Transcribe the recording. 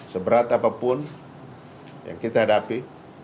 seberat apapun yang kita hadapi